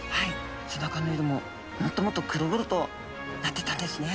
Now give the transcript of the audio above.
背中の色ももっともっと黒々となってったんですね。